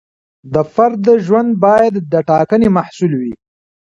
د فرد ژوند باید د ټاکنې محصول وي.